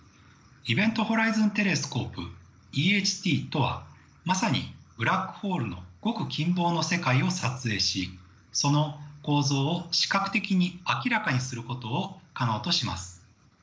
ＥｖｅｎｔＨｏｒｉｚｏｎＴｅｌｅｓｃｏｐｅＥＨＴとはまさにブラックホールのごく近傍の世界を撮影しその構造を視覚的に明らかにすることを可能とします。